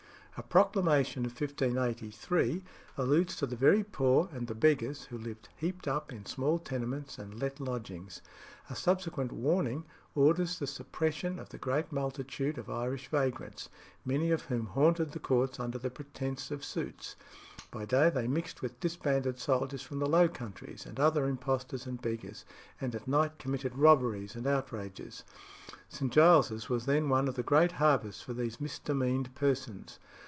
A proclamation of 1583 alludes to the very poor and the beggars, who lived "heaped up" in small tenements and let lodgings. A subsequent warning orders the suppression of the great multitude of Irish vagrants, many of whom haunted the courts under pretence of suits; by day they mixed with disbanded soldiers from the Low Countries and other impostors and beggars, and at night committed robberies and outrages. St. Giles's was then one of the great harbours for these "misdemeaned persons."